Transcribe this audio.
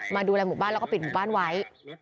ดูแลหมู่บ้านแล้วก็ปิดหมู่บ้านไว้